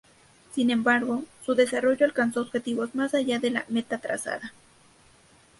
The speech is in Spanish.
Sin embargo, su desarrollo alcanzó objetivos más allá de la meta trazada.